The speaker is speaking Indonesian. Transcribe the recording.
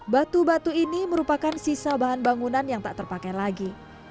batu batu ini merupakan sisa bahan bangunan yang tak terpakai lagi